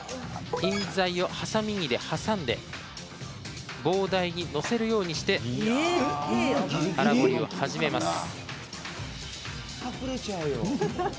印材を、はさみ木で挟んで棒台に載せるようにして粗彫りを始めます。